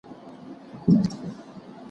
زه پرون تمرين کوم،